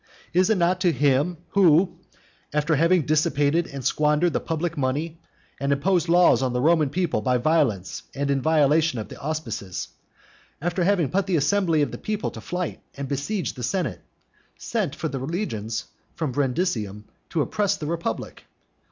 Is it not to him who, after having dissipated and squandered the public money, and imposed laws on the Roman people by violence and in violation of the auspices, after having put the assembly of the people to flight and besieged the senate, sent for the legions from Brundusium to oppress the republic?